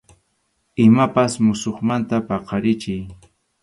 Imapas musuqmanta paqarichiy.